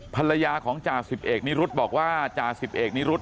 ภรรยาของจ่าสิบเอกนิรุธบอกว่าจ่าสิบเอกนิรุธ